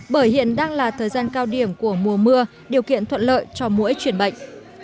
bởi hiện đang là thời gian cao điểm của mùa mưa điều kiện thuận lợi cho mỗi chuyển bệnh